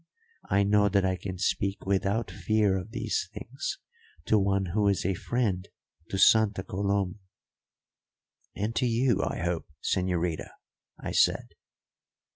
I know that I can speak without fear of these things to one who is a friend to Santa Coloma." "And to you, I hope, señorita," I said.